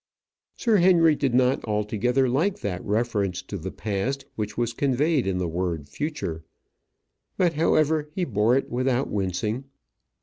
Sir Henry did not altogether like that reference to the past which was conveyed in the word future; but, however, he bore it without wincing.